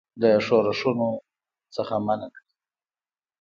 له ښورښونو څخه منع کړي.